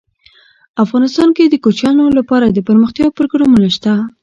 افغانستان کې د کوچیانو لپاره دپرمختیا پروګرامونه شته.